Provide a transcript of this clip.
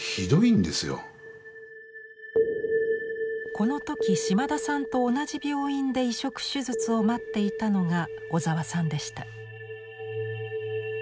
この時島田さんと同じ病院で移植手術を待っていたのが小沢さんでした。